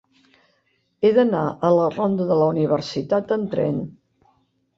He d'anar a la ronda de la Universitat amb tren.